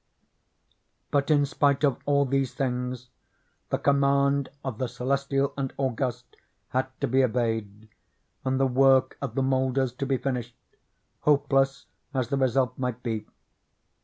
But in spite of all these things, the command of the Celestial and August had to be obeyed, and the work of the moulders to be finished, hopeless as the result might be.